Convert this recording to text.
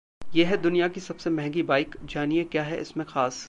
ये है दुनिया की सबसे महंगी बाइक, जानिए क्या है इसमें खास